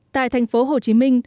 tại thành phố hồ chí minh